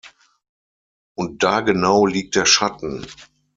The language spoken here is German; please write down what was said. Und da genau liegt der Schatten.